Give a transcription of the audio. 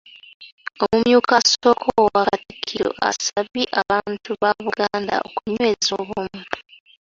Omumyuka asooka owa Katikkiro asabye abantu ba Buganda okunyweza obumu.